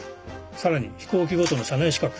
更に飛行機ごとの社内資格。